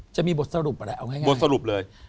จะมีบทสรุปอะไรเอาง่ายบทสรุปเลย